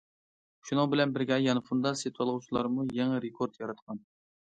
شۇنىڭ بىلەن بىرگە، يانفوندا سېتىۋالغۇچىلارمۇ يېڭى رېكورت ياراتقان.